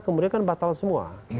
kemudian kan batal semua